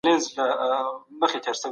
تړون د دواړو خواوو خوښه ښیي.